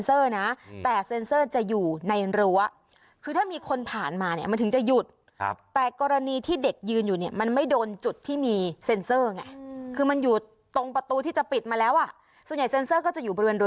เพราะฉะนั้นประตูมันก็ทำหน้าที่ของมันแล้วค่ะ